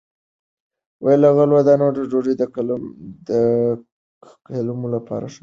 له غلې- دانو ډوډۍ د کولمو لپاره ښه ده.